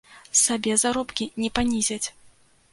Сабе заробкі не панізяць!